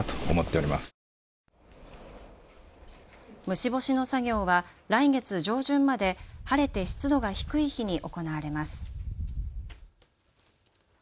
虫干しの作業は来月上旬まで晴れて湿度が低い日に行われます。